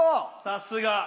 さすが！